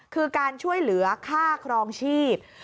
คือการช่วยเหลือค่าครองชีพ